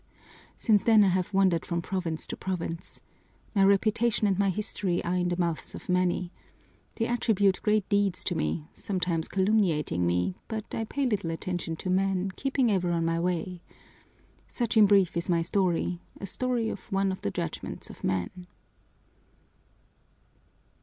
"Since then I have wandered from province to province. My reputation and my history are in the mouths of many. They attribute great deeds to me, sometimes calumniating me, but I pay little attention to men, keeping ever on my way. Such in brief is my story, a story of one of the judgments of men."